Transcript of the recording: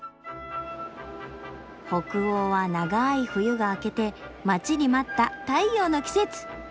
北欧は長い冬が明けて待ちに待った太陽の季節！